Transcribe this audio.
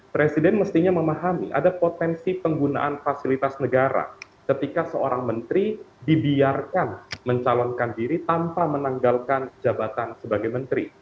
presiden mestinya memahami ada potensi penggunaan fasilitas negara ketika seorang menteri dibiarkan mencalonkan diri tanpa menanggalkan jabatan sebagai menteri